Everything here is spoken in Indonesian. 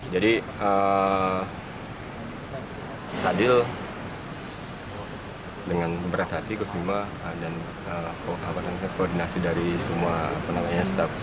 jadi sadil dengan berat hati keutima dan kekuatan dan koordinasi dari semua penelitian staff